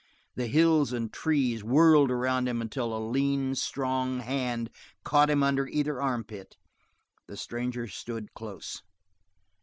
The hills and trees whirled around him until a lean, strong hand caught him under either armpit. The stranger stood close.